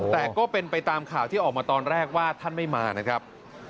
แต่ก็เป็นไปตามข่าวที่ออกมาตอนแรกว่าท่านไม่มานะครับ